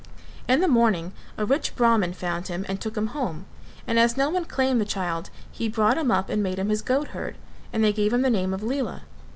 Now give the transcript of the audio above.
In the morning a rich Brahman found him and took him home, and as no one claimed the child he brought him up and made him his goat herd, and they gave him the name of Lela.